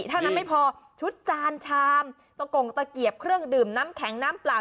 เท่านั้นไม่พอชุดจานชามตะกงตะเกียบเครื่องดื่มน้ำแข็งน้ำเปล่า